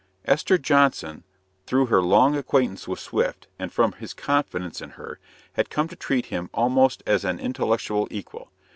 Esther Johnson, through her long acquaintance with Swift, and from his confidence in her, had come to treat him almost as an intellectual equal.